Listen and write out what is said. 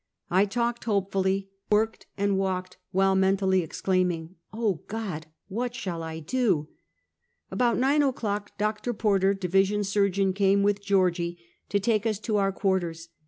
I talked hopefully, worked and walked, while mentally exclaiming; " Oh, God ! What shall I do ?" About nine o'clock Dr. Porter, Division Surgeon, came with Georgie, to take us to our quarters.